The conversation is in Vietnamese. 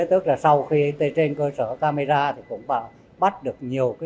tức là sau khi trên cơ sở camera thì cũng bắt được nhiều cái trường hợp